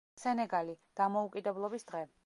სენეგალი: დამოუკიდებლობის დღე.